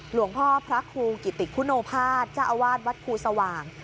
หลวงพ่อพระครูกิติคุโนภาษเจ้าอาวาสวัดครูสว่าง